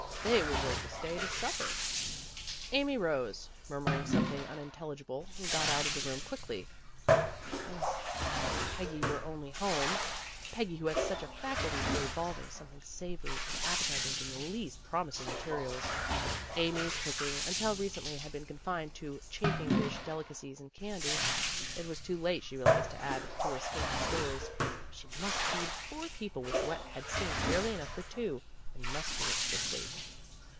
They were going to stay to supper. Amy rose, murmuring something unintelli gible, and got out of the room quickly. 0, if Peggy were only home, Peggy who had such a faculty for evolving something savory and ap petizing from the least promising materials. Amy's cooking until recently had been confined to chafing dish delicacies and candy. It was too late, she realized, to add to her scanty stores. She must feed four people with what had seemed barely enough for two, and must do it quickly.